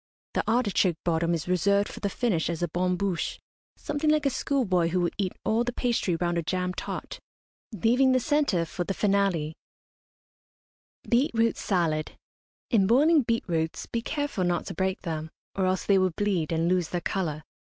The artichoke bottom is reserved for the finish as a bon bouche, something like a schoolboy who will eat all the pastry round a jam tart, leaving the centre for the finale. BEET ROOT SALAD. In boiling beet roots be careful not to break them, or else they will bleed and lose their colour.